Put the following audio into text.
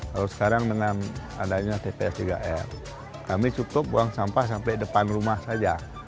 kalau sekarang dengan adanya tps tiga r kami cukup buang sampah sampai depan rumah saja